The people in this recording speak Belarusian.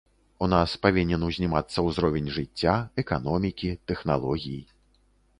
У нас павінен узнімацца ўзровень жыцця, эканомікі, тэхналогій.